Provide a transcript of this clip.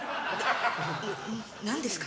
何ですか？